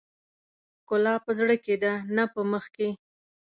ښکلا په زړه کې ده نه په مخ کې .